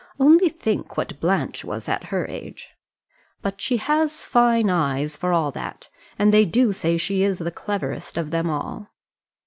Only think what Blanche was at her age. But she has fine eyes, for all that; and they do say she is the cleverest of them all."